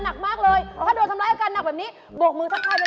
น้ำบอดโดนทำร้ายอุ๊ยอาการหนักมากเลย